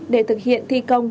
để thực hiện thi công